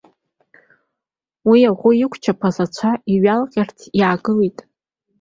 Уи, аӷәы иқәчаԥаз ацәа иҩаланарҟацан, иаангылеит.